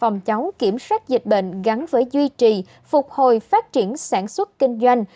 những chỉ huy nhu cầu đạo huyền thống kiểm soát dịch bệnh gắn với duy trì phục hồi phát triển sản xuất kinh doanh